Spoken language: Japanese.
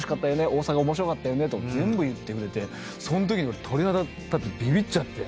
大阪面白かったよね」と言ってくれてそんときに俺鳥肌立ってビビっちゃって。